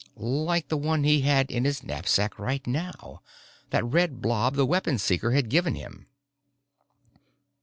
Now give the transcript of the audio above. Like the one he had in his knapsack right now that red blob the Weapon Seeker had given him!